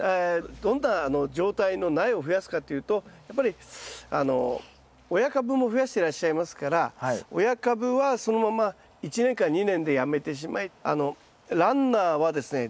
どんな状態の苗を増やすかというとやっぱり親株も増やしてらっしゃいますから親株はそのまま１年か２年でやめてしまいランナーはですね